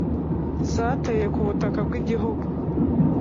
zateye ku butaka bw'igihugu.